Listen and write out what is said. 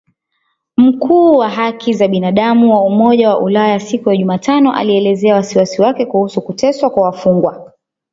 Mkuu wa haki za binadamu wa Umoja wa Ulaya siku ya Jumatano alielezea wasiwasi wake kuhusu kuteswa kwa wafungwa